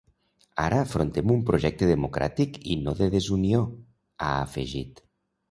Ara afrontem un projecte democràtic i no de desunió, ha afegit.